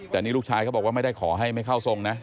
แต่นี่ลูกชายเขาบอกว่าไม่ได้ขอให้ไม่เข้าทรงนะ